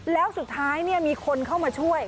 แล้วสุดท้ายมีคนเข้ามาช่วย